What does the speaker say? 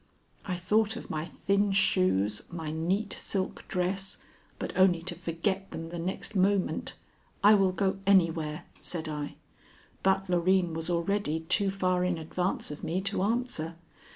I thought of my thin shoes, my neat silk dress, but only to forget them the next moment. "I will go anywhere," said I. But Loreen was already too far in advance of me to answer.